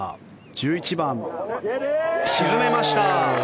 １１番、沈めました。